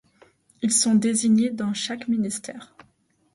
Ils sont désignés dans chaque ministère.